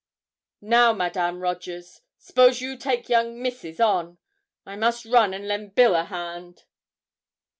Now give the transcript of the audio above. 'Now, Madame Rogers s'pose you take young Misses on I must run and len' Bill a hand.'